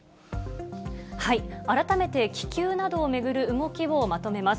改めて、気球などを巡る動きをまとめます。